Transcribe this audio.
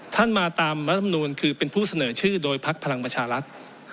มาตามรัฐมนูลคือเป็นผู้เสนอชื่อโดยพักพลังประชารัฐ